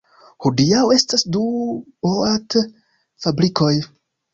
Hodiaŭ estas du boat-fabrikoj.